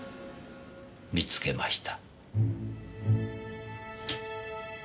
見つけました。